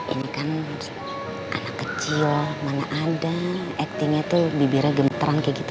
ini kan anak kecil mana ada actingnya tuh bibirnya gemeteran kayak gitu